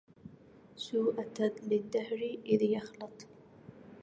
سوءة للدهر إذ يخلط